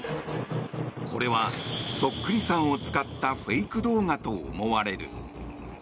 これはそっくりさんを使ったフェイク動画と思われる。